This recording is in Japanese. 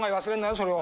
それを。